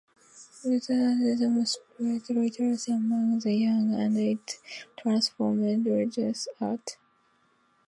Lutheranism spread literacy among the young, and it transformed religious art.